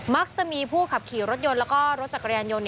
มักจะมีผู้ขับขี่รถยนต์แล้วก็รถจักรยานยนต์